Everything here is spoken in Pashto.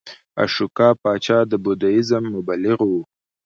اشوکا پاچا د بودیزم مبلغ و